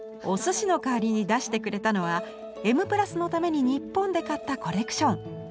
お寿司の代わりに出してくれたのは「Ｍ＋」のために日本で買ったコレクション。